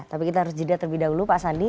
tapi kita harus jeda terlebih dahulu pak sandi